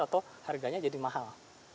atau harganya jadi mahal